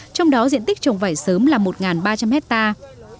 trong đó diện tích trồng vải sớm là một ba trăm linh hectare